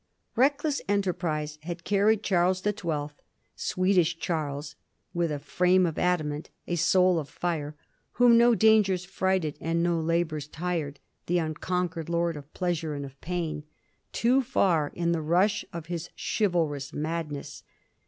Reckless enterprise had carried Charles the Twelfth—* Swedish Charles,' with ' a frame of adamant, a soul of fire,' whom no dangers frighted, and no labours tired, the * unconquered lord of pleasure and of pain' — too far in the rush of his chivalrous madness.